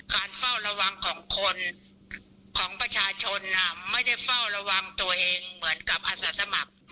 เฝ้าระวังของคนของประชาชนไม่ได้เฝ้าระวังตัวเองเหมือนกับอาสาสมัคร